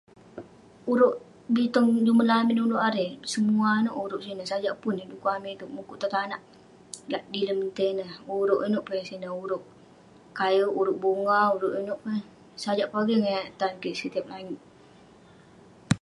Urouk bi tong jumen lamin ulouk erei, semua inouk urouk sineh sajak pun eh. Dekuk amik itouk mukuk tong tanak. Lak dilem itei neh, urouk inouk peh sineh. Urouk kayouk, urouk bunga, urouk inouk kek. Sajak pogeng eh tan kik setiap langit.